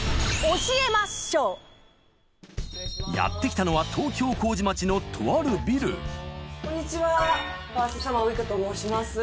やって来たのはとあるビルこんにちはファーストサマーウイカと申します。